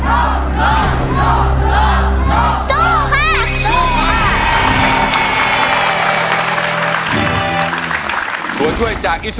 ก็คือร้องให้เหมือนเพลงเมื่อสักครู่นี้